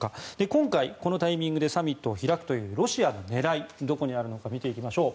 今回、このタイミングでサミットを開くというロシアの狙い、どこにあるのか見ていきましょう。